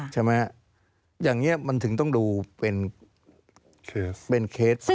อย่างนี้มันถึงต้องดูเป็นเคส